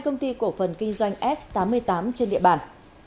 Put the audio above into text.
công ty cổ phần kinh doanh f tám mươi tám trên địa bàn